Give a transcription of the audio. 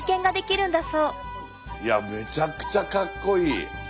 いやめちゃくちゃかっこいい。